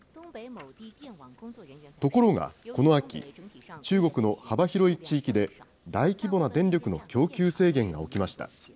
ところが、この秋、中国の幅広い地域で大規模な電力の供給制限が起きました。